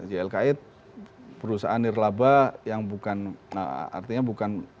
ylki perusahaan nirlaba yang bukan artinya bukan